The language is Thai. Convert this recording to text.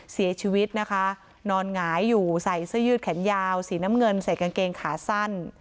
เสียชีวิตนะคะนอนหงายอยู่ใส่เสื้อยืดแขนยาวสีน้ำเงินใส่กางเกงขาสั้น